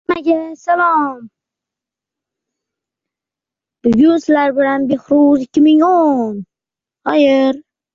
Saudiya Arabistoni jamoasi sovuqda O‘zbekistonga qarshi qanday o‘ynamoqchi?